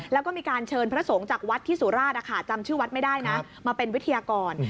แล้วก็มีการเชิญพระสงฆ์จากวัดที่สุราชจำชื่อวัดไม่ได้นะมาเป็นวิทยากร